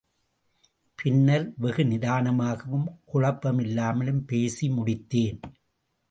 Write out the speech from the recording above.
பின்னர் வெகுநிதானமாகவும், குழப்பமில்லாமலும் பேசி முடித்தேன்.